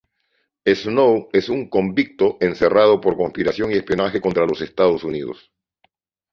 Snow es un convicto encerrado por conspiración y espionaje contra los Estados Unidos.